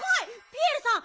ピエールさん